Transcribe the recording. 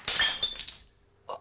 あっ。